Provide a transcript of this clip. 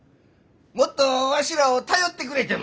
もっとわしらを頼ってくれても。